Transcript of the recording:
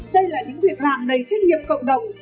đây là những việc làm đầy trách nhiệm cộng đồng